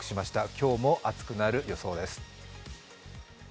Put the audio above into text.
今日も暑くなる予想です。